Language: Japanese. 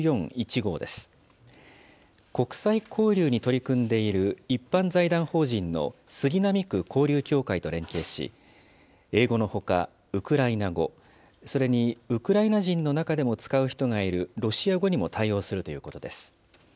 国際交流に取り組んでいる一般財団法人の杉並区交流協会と連携し、英語のほか、ウクライナ語、それにウクライナ人の中でも使う人がいるロシア語にも対応するということです。